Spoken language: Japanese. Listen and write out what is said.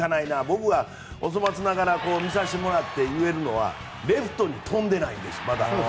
僕がお粗末ながら見させてもらって言えるのはレフトに飛んでないです、まだ。